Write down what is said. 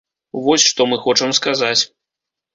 Вось што мы хочам сказаць.